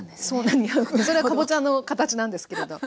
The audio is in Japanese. それはかぼちゃの形なんですけれど。